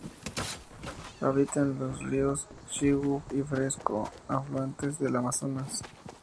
Habita en los ríos Xingú y Fresco, afluentes del Amazonas.